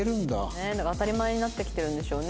ねえだから当たり前になってきてるんでしょうね